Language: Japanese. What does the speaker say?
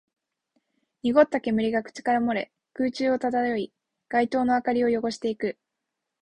濁った煙が口から漏れ、空中を漂い、街灯の明かりを汚していく